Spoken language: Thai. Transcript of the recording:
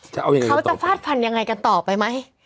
เขาจะฟาดฟันยังไงกันต่อไปไหม